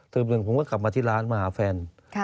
หนึ่งผมก็กลับมาที่ร้านมาหาแฟน